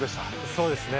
そうですね。